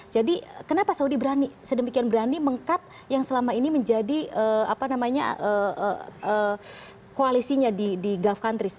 jadi kenapa saudi berani sedemikian berani meng cut yang selama ini menjadi koalisinya di gulf countries